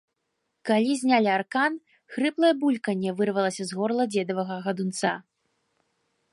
Калі знялі аркан, хрыплае бульканне вырвалася з горла дзедавага гадунца.